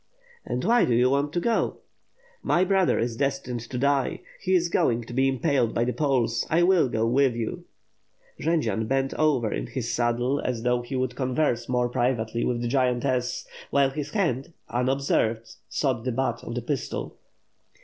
"And why do you want to go?" * "My brother is destined to die; he is going to be impaled by the Poles; I will go with you." Jendzian bent over in his saddle, as though he would con verse more privately with the giantess, while his hand, un observed sought the butt of his pistol.